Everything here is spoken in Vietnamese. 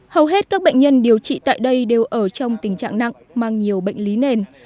hầu hết các bệnh nhân điều trị tại đây đều ở trong tình trạng nặng mang nhiều bệnh lý nền